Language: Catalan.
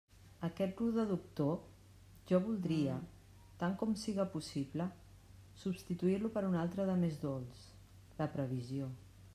Aquest rude doctor, jo voldria, tant com siga possible, substituir-lo per un altre de més dolç: la previsió.